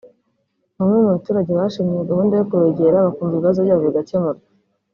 Bamwe mu baturage bashimye iyo gahunda yo kubegera bakumva ibibazo byabo bigakemurwa